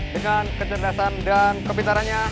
dengan kecerdasan dan kepintarannya